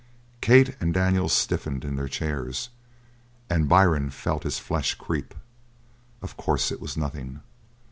Kate and Daniels stiffened in their chairs and Byrne felt his flesh creep. Of course it was nothing.